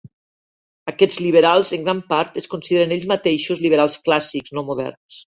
Aquests liberals en gran part es consideren ells mateixos liberals clàssics, no moderns.